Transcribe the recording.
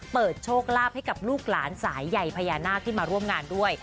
โชคลาภให้กับลูกหลานสายใหญ่พญานาคที่มาร่วมงานด้วย